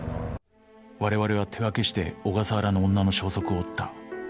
［われわれは手分けして小笠原の女の消息を追った］